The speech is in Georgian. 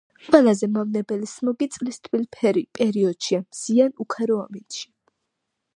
ყველაზე მავნებელი სმოგი წლის თბილ პერიოდშია, მზიან უქარო ამინდში.